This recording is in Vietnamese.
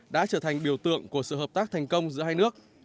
đã trở thành biểu tượng của sự hợp tác thành công giữa hai nước